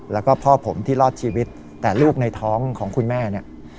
แล้วก็พ่อผมที่รอดชีวิตแต่ลูกในท้องของคุณแม่เนี่ย